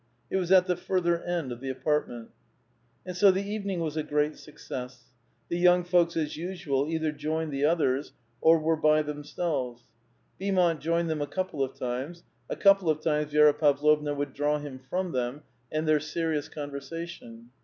It was at the further side of the apartment. And so the evening was a great success. The young folks, as usual, either joined the others, or were by them selves. Beaumont joined them a couple of times ; a couple of times Vi6ra Pavlovna would draw him from them and their serious conversation.